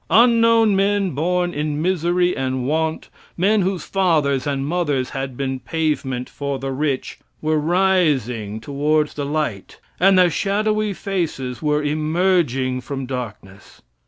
Unknown men born in misery and want, men whose fathers and mothers had been pavement for the rich, were rising towards the light and their shadowy faces were emerging from darkness.